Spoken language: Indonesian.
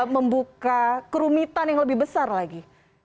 membuka kerumitan yang lebih besar lagi